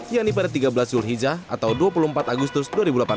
yang di padat tiga belas zulhijaz atau dua puluh empat agustus dua ribu delapan belas